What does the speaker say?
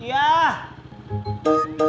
tidak ada apa apa